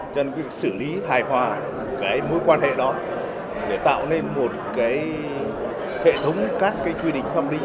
cho nên sử lý hài hòa mối quan hệ đó để tạo nên một hệ thống các quy định pháp lý